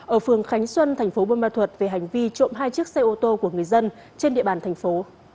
ở phường khánh xuân thành phố bôn ma thuật về hành vi trộm hai chiếc xe ô tô của người dân trên địa bàn thành phố